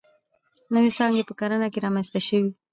نوې څانګې په کرنه کې رامنځته شوې.